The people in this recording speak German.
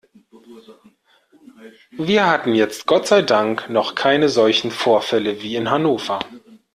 Wir hatten jetzt Gott sei Dank noch keine solchen Vorfälle wie in Hannover.